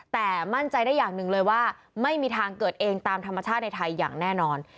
แต่มั่นใจได้อย่างหนึ่งเลยว่าไม่มีทางเกิดเองตามธรรมชาติในไทยอย่างแน่นอน